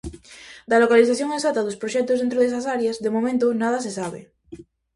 Da localización exacta dos proxectos dentro desas áreas, de momento nada se sabe.